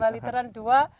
lima literan dua